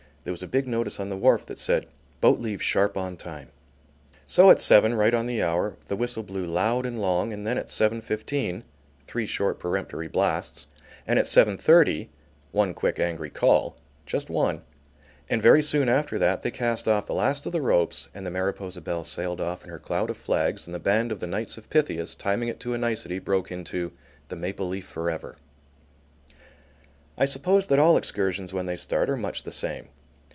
There was a big notice on the wharf that said: "Boat leaves sharp on time." So at seven, right on the hour, the whistle blew loud and long, and then at seven fifteen three short peremptory blasts, and at seven thirty one quick angry call, just one, and very soon after that they cast off the last of the ropes and the Mariposa Belle sailed off in her cloud of flags, and the band of the Knights of Pythias, timing it to a nicety, broke into the "Maple Leaf for Ever!" I suppose that all excursions when they start are much the same.